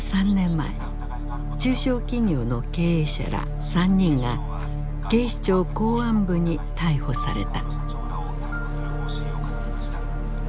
中小企業の経営者ら３人が警視庁公安部に逮捕された。